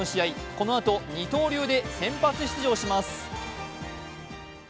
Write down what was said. このあと二刀流で先発出場します。